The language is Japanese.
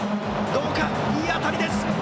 どうか、いい当たりです。